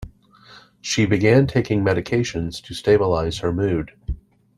She began taking medications to stabilize her mood.